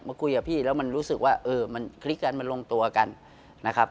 คุยกับพี่แล้วมันรู้สึกว่าเออมันคลิกกันมันลงตัวกันนะครับ